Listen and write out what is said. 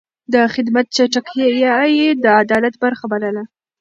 د خدمت چټکتيا يې د عدالت برخه بلله.